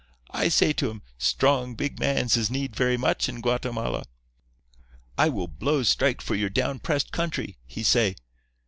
I say to him: "Strong, big mans is need very much in Guatemala." "I will blows strike for your down pressed country," he say.